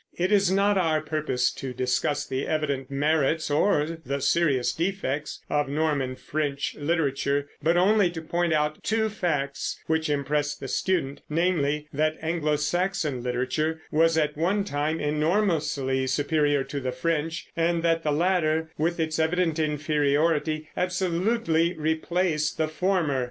It is not our purpose to discuss the evident merits or the serious defects of Norman French literature, but only to point out two facts which impress the student, namely, that Anglo Saxon literature was at one time enormously superior to the French, and that the latter, with its evident inferiority, absolutely replaced the former.